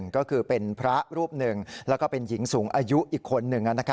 ก็คือเป็นพระรูปหนึ่งแล้วก็เป็นหญิงสูงอายุอีกคนหนึ่ง